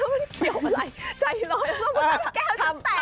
แล้วมันเกี่ยวอะไรใจรอยทำแคว้ลุกไป